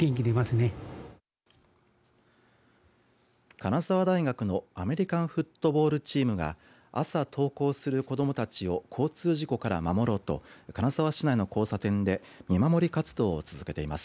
金沢大学のアメリカンフットボールチームが朝、登校する子どもたちを交通事故から守ろうと金沢市内の交差点で見守り活動を続けています。